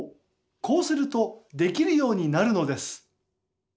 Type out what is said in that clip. こうするとできるようになるのです。